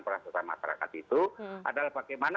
perasaan masyarakat itu adalah bagaimana